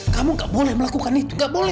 kamu nggak boleh melakukan itu gak boleh